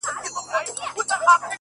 • پر اوږو د اوښكو ووته له ښاره,